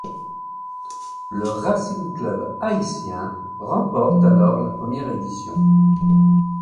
Le Racing Club Haïtien remporte alors la première édition.